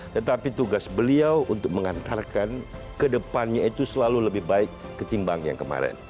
tetapi tugas beliau untuk mengantarkan ke depannya itu selalu lebih baik ketimbang yang kemarin